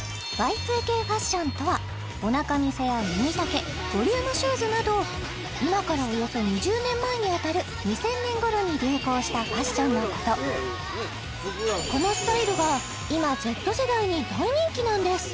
Ｙ２Ｋファッションとはおなか見せやミニ丈ボリュームシューズなど今からおよそ２０年前に当たる２０００年ごろに流行したファッションのことこのスタイルが今Ｚ世代に大人気なんです